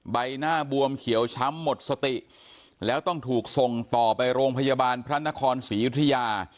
ใบหน้าบวมเขียวช้ำหมดสติแล้วต้องถูกส่งต่อไปโรงพยาบาลพระนครศรียุธยา